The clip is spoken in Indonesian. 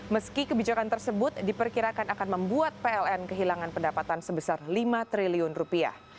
meski kebijakan tersebut diperkirakan akan membuat pln kehilangan pendapatan sebesar lima triliun rupiah